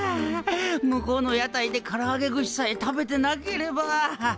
向こうの屋台でからあげ串さえ食べてなければ。